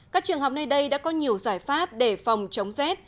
các trường học nơi đây đã có nhiều giải pháp để phòng chống rét